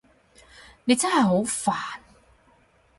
你真係好煩